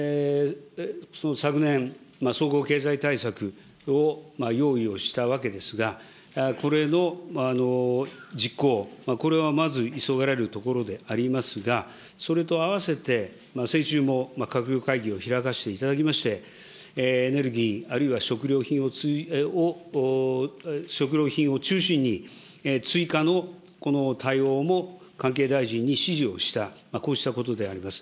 昨年、総合経済対策を用意をしたわけですが、これの実行、これはまず急がれるところでありますが、それとあわせて、先週も閣僚会議を開かせていただきまして、エネルギー、あるいは食料品を中心に、追加の対応も、関係大臣に指示をした、こうしたことであります。